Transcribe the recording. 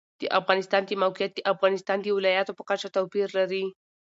د افغانستان د موقعیت د افغانستان د ولایاتو په کچه توپیر لري.